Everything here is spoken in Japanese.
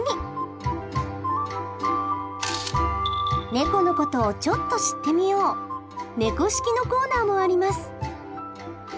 ネコのことをちょっと知ってみよう「猫識」のコーナーもあります。